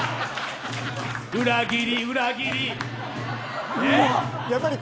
裏切り、裏切り。